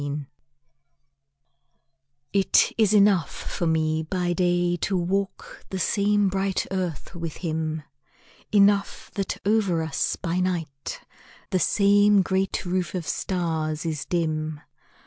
ENOUGH IT is enough for me by day To walk the same bright earth with him; Enough that over us by night The same great roof of stars is dim.